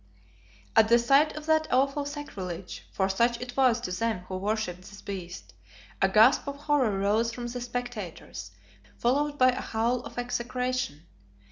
At the sight of that awful sacrilege for such it was to them who worshipped this beast a gasp of horror rose from the spectators, followed by a howl of execration.